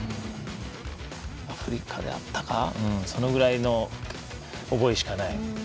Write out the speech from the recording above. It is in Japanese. アフリカであったかそのぐらいの覚えしかない。